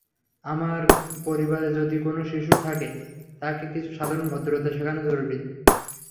আপনার পরিবারে যদি কোনো শিশু থাকে, তাকে কিছু সাধারণ ভদ্রতা শেখানো জরুরি।